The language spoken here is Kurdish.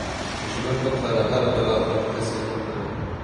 Ji min biqere here bela xwe li kesên din bide.